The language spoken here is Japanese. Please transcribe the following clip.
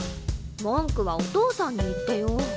文句はお父さんに言ってよ！